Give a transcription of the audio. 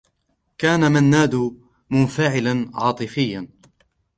كان منّاد منفعلا عاطفيّا.